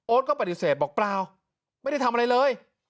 ก็ปฏิเสธบอกเปล่าไม่ได้ทำอะไรเลย